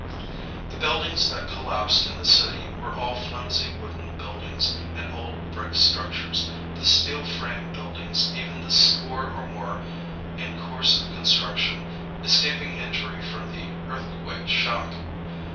The buildings that collapsed in the city were all flimsy wooden buildings and old brick structures, the steel frame buildings, even the score or more in course of construction, escaping injury from the earthquake shock.